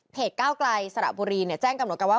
เพจก้าวกลายสระบุรีเนี่ยแจ้งกำหนดกันว่า